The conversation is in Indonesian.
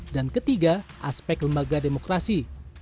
dan ketiga aspek lembaga demokrasi